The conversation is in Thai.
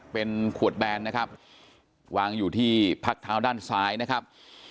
เป็นขวดแบนนะครับวางอยู่ที่พักเท้าด้านซ้ายนะครับ